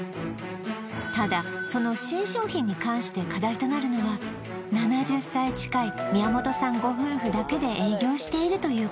ただその新商品に関して課題となるのは７０歳近い宮本さんご夫婦だけで営業しているという